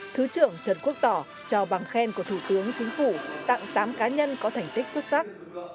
thứ trưởng trần quốc tỏ trao bằng khen của thủ tướng chính phủ tặng tám cá nhân có thành tích xuất sắc